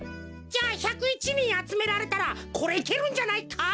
じゃ１０１にんあつめられたらこれいけるんじゃないか？